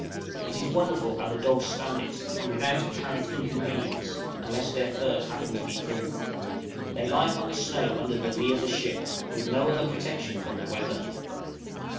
It is wonderful how the dogs stand it, and without apparent inconvenience, unless their fur happen to be thin. They lie upon the snow under the lee of the ship, with no other protection from the weather.